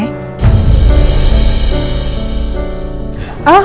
lupain semuanya sayang